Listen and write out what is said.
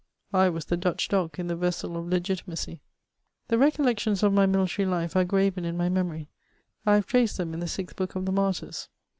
I was the Dutch dog in the vessel of Legitimacy. The recoilections of my military life are graven in my memory; I have traced them in the sixth book of the Martyrs.